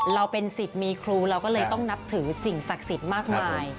เราเป็นสิทธิ์มีครูเราก็เลยต้องนับถือสิ่งศักดิ์สิทธิ์มากมาย